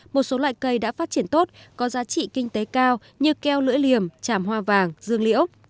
một số loại cây đã phát triển tốt có giá trị kinh tế cao như keo lưỡi liềm chảm hoa vàng dương liễu